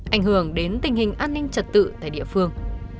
ảnh hưởng đến tình hình an ninh trật tự tại địa phương